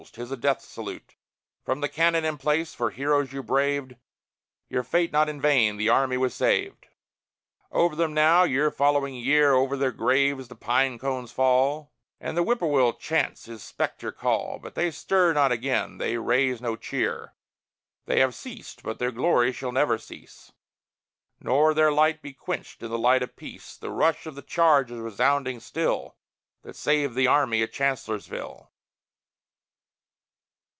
'Tis a death salute From the cannon in place; for, heroes, you braved Your fate not in vain; the army was saved! Over them now, year following year, Over their graves the pine cones fall, And the whippoorwill chants his spectre call; But they stir not again; they raise no cheer: They have ceased. But their glory shall never cease, Nor their light be quenched in the light of peace. The rush of their charge is resounding still, That saved the army at Chancellorsville.